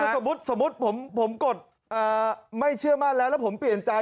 สมมุติผมกดไม่เชื่อมั่นแล้วแล้วผมเปลี่ยนใจ